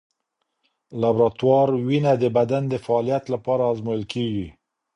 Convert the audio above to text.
لابراتوار وینه د بدن د فعالیت لپاره ازمویل کېږي.